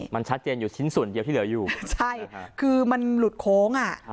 มันชัดเจนอยู่ชิ้นส่วนเดียวที่เหลืออยู่ใช่คือมันหลุดโค้งอ่ะ